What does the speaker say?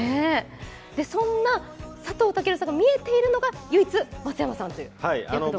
そんな佐藤健さんが見えているのが、唯一松山さんという役どころ。